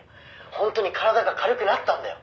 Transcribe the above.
「本当に体が軽くなったんだよ」